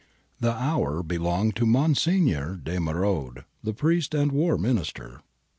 The hour belonged to Monsignor de M^rode, priest and War Minister.